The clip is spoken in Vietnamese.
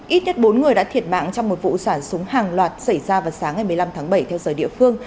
ít nhất bốn người đã thiệt mạng trong một vụ sản súng hàng loạt xảy ra vào sáng ngày một mươi năm tháng bảy theo giờ địa phương